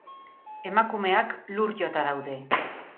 Emakumeak lur jota daude.